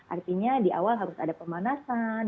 artinya di awal harus ada pemanasan